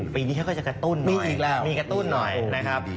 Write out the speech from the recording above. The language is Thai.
ปีนี้เขาก็จะกระตุ้นหน่อยมีกระตุ้นหน่อยนะครับ